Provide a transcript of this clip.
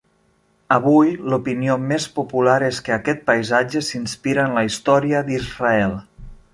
Avui l'opinió més popular és que aquest paisatge s'inspira en la història d'Israel.